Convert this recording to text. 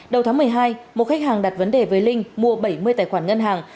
đầu tháng một mươi hai một khách hàng đặt vấn đề với linh mua bảy mươi tài khoản ngân hàng